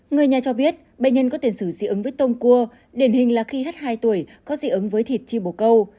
người nhà cho biết bệnh nhân có tiền xử dị ứng với tôm cua đền hình là khi hết hai tuổi có dị ứng với thịt chim bồ câu